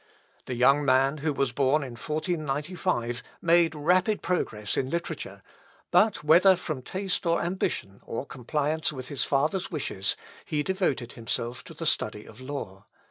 The young man, who was born in 1495, made rapid progress in literature, but whether from taste or ambition, or compliance with his father's wishes, he devoted himself to the study of law.